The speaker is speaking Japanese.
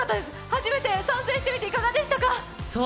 初めて参戦してみていかがでしたか？